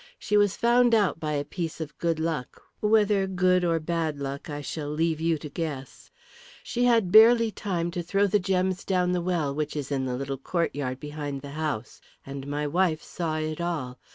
She was found out by a piece of good luck whether good or bad luck I shall leave you to guess. She had barely time to throw the gems down the well which is in the little courtyard behind the house, and my wife saw it all.